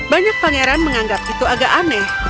banyak pangeran menganggap itu agak aneh